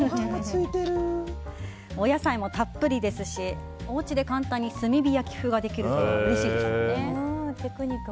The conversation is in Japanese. お野菜もたっぷりですしおうちで簡単に炭火焼き風ができるのはうれしいですよね。